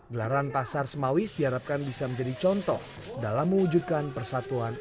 gelaran pasar semawis diharapkan bisa menjadi contoh dalam mewujudkan persatuan